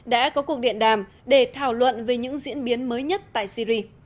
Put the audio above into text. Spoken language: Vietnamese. đã có cuộc điện đàm để thảo luận về những diễn biến mới nhất tại syri